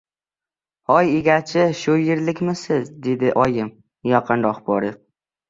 — Hoy egachi, shu yerlikmisiz? — dedi oyim, yaqinroq borib.